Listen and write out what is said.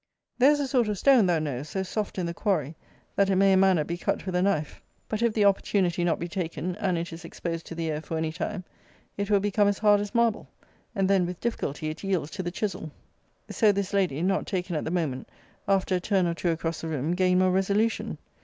There is a sort of stone, thou knowest, so soft in the quarry, that it may in manner be cut with a knife; but if the opportunity not be taken, and it is exposed to the air for any time, it will become as hard as marble, and then with difficulty it yields to the chisel.* So this lady, not taken at the moment, after a turn or two across the room, gained more resolution!